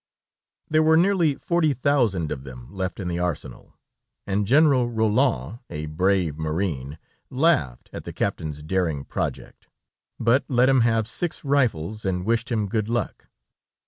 There were nearly forty thousand of them left in the arsenal, and General Roland, a brave marine, laughed at the captain's daring project, but let him have six rifles and wished him "good luck."